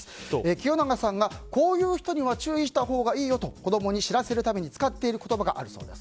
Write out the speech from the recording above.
清永さんがこういう人には注意したほうがいいよと子供に知らせるために使っている言葉があるそうです。